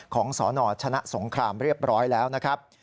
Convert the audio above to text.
สนชนะสงครามเรียบร้อยแล้วนะครับ